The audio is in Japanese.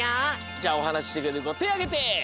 じゃあおはなししてくれるこてをあげて！